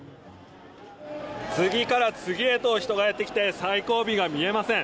次から次へと、人がやってきて最後尾が見えません。